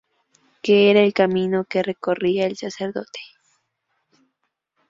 Que era el camino que recorría el sacerdote.